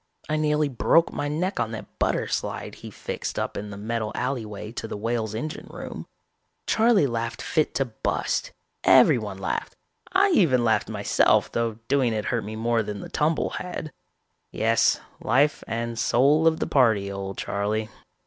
I nearly broke my neck on that butter slide he fixed up in the metal alleyway to the Whale's engine room. Charley laughed fit to bust, everyone laughed, I even laughed myself though doing it hurt me more than the tumble had. Yes, life and soul of the party, old Charley